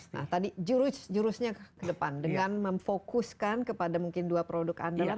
nah tadi jurusnya ke depan dengan memfokuskan kepada mungkin dua produk andalan